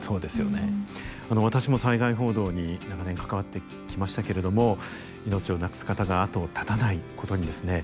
私も災害報道に長年関わってきましたけれども命をなくす方が後を絶たないことにですね